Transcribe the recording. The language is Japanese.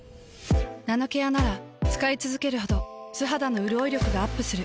ナノケアなら使いつづけるほど素肌のうるおい力がアップする。